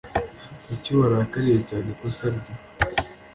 Kuki warakariye cyane ikosa rye?